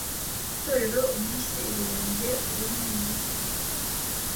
mu itorero, umunsi birenge ubumwe mu muryengo